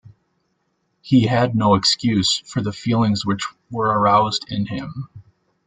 He had no excuse for the feelings which were aroused in him.